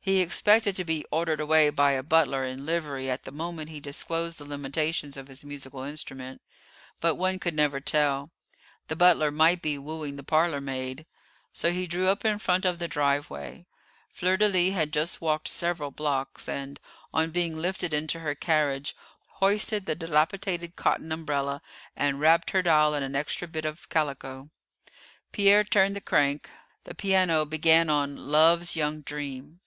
He expected to be ordered away by a butler in livery at the moment he disclosed the limitations of his musical instrument, but one could never tell, the butler might be wooing the parlour maid, so he drew up in front of the drive way. Fleur de lis had just walked several blocks, and, on being lifted into her carriage, hoisted the dilapidated cotton umbrella and wrapped her doll in an extra bit of calico. Pierre turned the crank; the piano began on "Love's Young Dream."